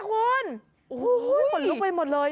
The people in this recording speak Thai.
คนลุกไปหมดเลย